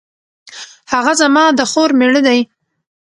هغه زما د خور میړه دی